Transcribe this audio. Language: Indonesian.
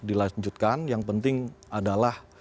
dilanjutkan yang penting adalah